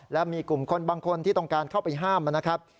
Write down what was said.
และมีกลุ่มคนบางคนที่ต้องการเข้าไปห้ามนะครับ